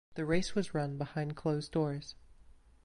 The race was run behind closed doors.